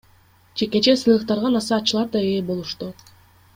Жекече сыйлыктарга насаатчылар да ээ болушту.